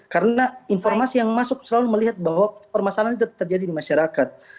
karena informasi yang masuk selalu melihat bahwa permasalahan itu terjadi di masyarakat